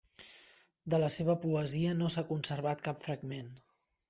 De la seva poesia no s'ha conservat cap fragment.